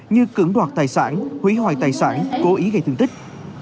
như cưỡng đoạt tài sản hủy hoại tài sản cố ý gây thương tích